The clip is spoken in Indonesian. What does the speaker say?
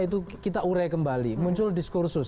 itu kita urai kembali muncul diskursus